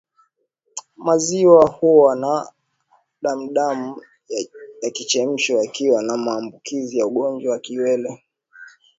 Maziwa huwa na damudamu yakichemshwa yakiwa na maambukizi ya ugonjwa wa kiwele